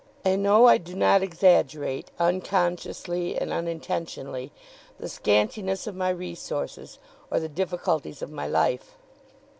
I know I do not exaggerate, unconsciously and unintentionally, the scantiness of my resources or the difficulties of my life.